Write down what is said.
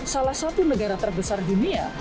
salah satu negara terbesar dunia